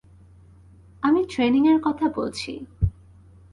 আমি ট্রেনিং এর কথা বলছি।